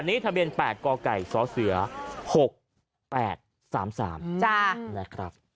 อันนี้ทะเบียนแปดก่อไก่ซ้อเสือหกแปดสามสามจ้านะครับ